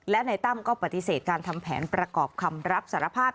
และในตั้มก็ปฏิเสธการทำแผนประกอบคำรับสารภาพ